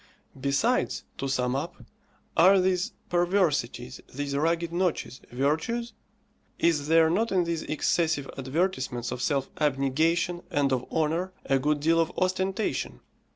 Besides, to sum up, are these perversities, these rugged notches, virtues? Is there not in these excessive advertisements of self abnegation and of honour a good deal of ostentation?